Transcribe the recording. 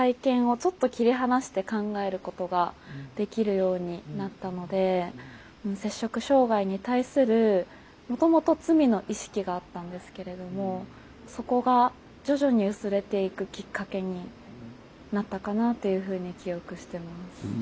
ちょっと切り離して考えることができるようになったので摂食障害に対するもともと罪の意識があったんですけれどもそこが徐々に薄れていくきっかけになったかなというふうに記憶してます。